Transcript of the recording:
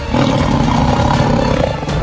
dan menangkap kake guru